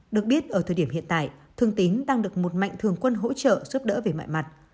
được biết ở thời điểm hiện tại thương tín đang được một mạnh thường quân hỗ trợ giúp đỡ về mọi mặt